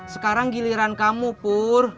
sekarang giliran kamu pur